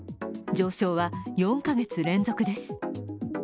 上昇は４カ月連続です。